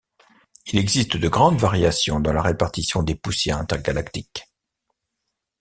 Il existe de grandes variations dans la répartition des poussières intergalactiques.